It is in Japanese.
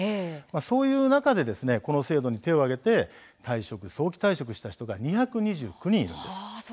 そんな中でこの制度に手を挙げて会社を早期退職した人は２２９人います。